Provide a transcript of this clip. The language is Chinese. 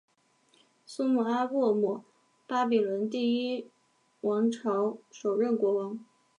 苏姆阿布姆巴比伦第一王朝首任国王。